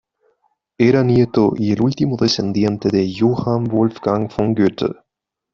Era nieto y el último descendiente de Johann Wolfgang von Goethe.